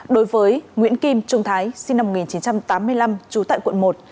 đối với nguyễn kim trung thái sinh năm một nghìn chín trăm tám mươi năm trú tại quận một